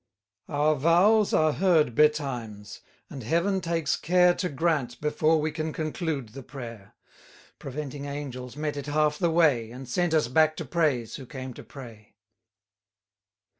Our vows are heard betimes! and Heaven takes care To grant, before we can conclude the prayer: Preventing angels met it half the way, And sent us back to praise, who came to pray.